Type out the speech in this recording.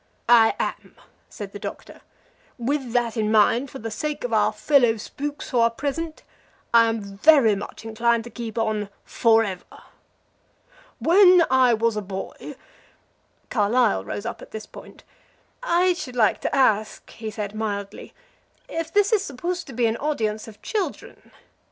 "I am," said the Doctor. "With that in mind, for the sake of our fellow spooks who are present, I am very much inclined to keep on forever. When I was a boy " Carlyle rose up at this point. "I should like to ask," he said, mildly, "if this is supposed to be an audience of children?